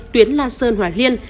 tuyến la sơn hòa liên